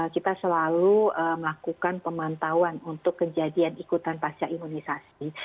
kita selalu melakukan pemantauan untuk kejadian ikutan pasca imunisasi